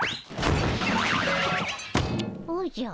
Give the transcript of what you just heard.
おじゃ。